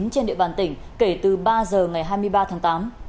trên địa bàn tỉnh kể từ ba giờ ngày hai mươi ba tháng tám